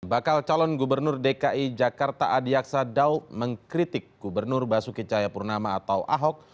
bakal calon gubernur dki jakarta adi aksa dau mengkritik gubernur basuki cayapurnama atau ahok